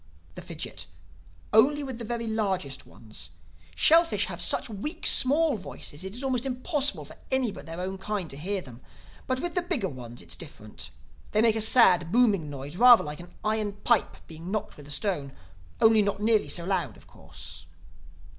The Fidgit: "Only with the very largest ones. Shellfish have such weak small voices it is almost impossible for any but their own kind to hear them. But with the bigger ones it is different. They make a sad, booming noise, rather like an iron pipe being knocked with a stone—only not nearly so loud of course."